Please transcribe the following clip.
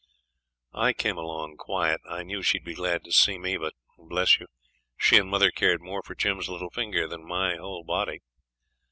I came along quiet. I knew she'd be glad to see me but, bless you, she and mother cared more for Jim's little finger than for my whole body.